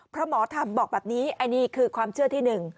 เพราะหมอธรรมบอกแบบนี้อันนี้คือความเชื่อที่๑